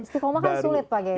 istiqomah kan sulit pak gey